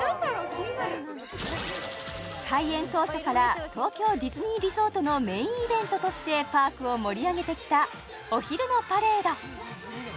気になる開園当初から東京ディズニーリゾートのメインイベントとしてパークを盛り上げてきたお昼のパレード